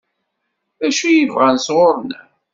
D acu i bɣan sɣur-neɣ?